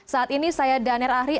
saat ini saya danir ahri